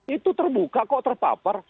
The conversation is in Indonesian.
itu terbuka kok terpapar